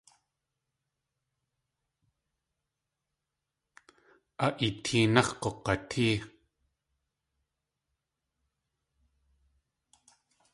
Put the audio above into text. A eetéenáx̲ gug̲atée.